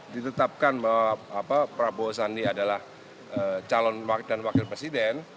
ditetapkan bahwa prabowo sandi adalah calon dan wakil presiden